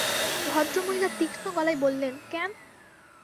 ভদ্রমহিলা তীক্ষ্ণ গলায় বললেন, ক্যান?